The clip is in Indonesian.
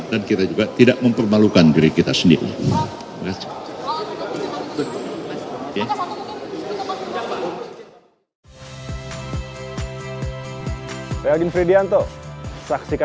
dan kita juga tidak mempermalukan diri kita sendiri